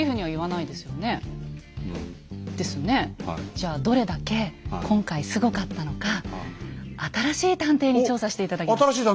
じゃあどれだけ今回すごかったのか新しい探偵に調査して頂きました。